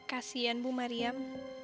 kasian bu mariam